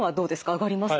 上がりますか。